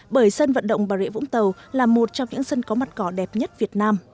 bởi sân vận động bà rịa vũng tàu là một trong những sân có mặt cỏ đẹp nhất việt nam